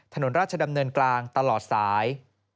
ถนนราชดำเนินกลางตลอดสาย